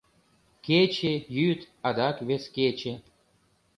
Кече — йӱд, адак вес кече.